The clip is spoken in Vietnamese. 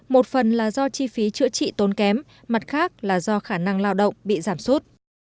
một phần là do chi phí chữa trị tốn kém mặt khác là do khả năng lao động bị giảm sút